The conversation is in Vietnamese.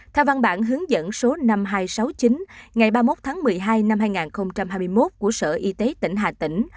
theo văn bản hướng dẫn số năm nghìn hai trăm sáu mươi chín ngày ba mươi một tháng một mươi hai năm hai nghìn hai mươi một của sở y tế tỉnh hà tĩnh